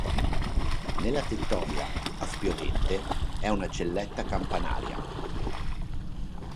Nella tettoia, a spiovente, è una celletta campanaria.